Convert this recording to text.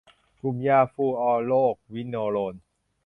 กลุ่มยาฟลูออโรควิโนโลน